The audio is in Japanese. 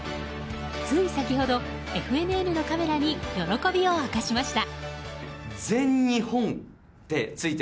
つい先ほどＦＮＮのカメラに喜びを明かしました。